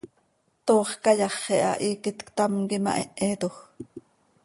Toox cayaxi ha, hiiquet ctam quih imahéhetoj.